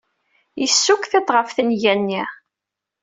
Yessukk tiṭ ɣef tenga-nni.